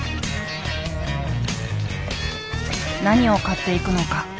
何を買っていくのか。